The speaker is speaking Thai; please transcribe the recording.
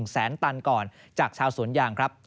แสนตันก่อนจากชาวสวนยางครับ